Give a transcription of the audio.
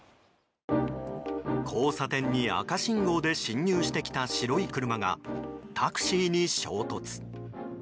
交差点に赤信号で進入してきた白い車がタクシーに衝突。